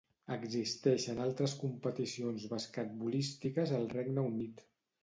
Existeixen altres competicions basquetbolístiques al Regne Unit.